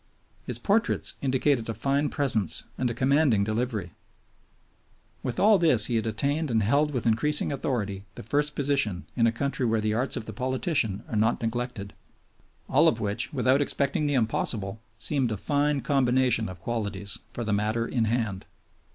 His portraits indicated a fine presence and a commanding delivery. With all this he had attained and held with increasing authority the first position in a country where the arts of the politician are not neglected. All of which, without expecting the impossible, seemed a fine combination of qualities for the matter in hand.